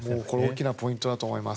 大きなポイントだと思います。